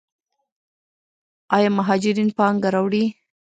آیا مهاجرین پانګه راوړي؟